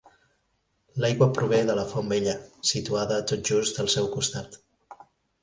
L'aigua prové de la font Vella, situada tot just al seu costat.